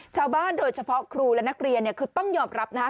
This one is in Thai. โดยเฉพาะครูและนักเรียนคือต้องยอมรับนะ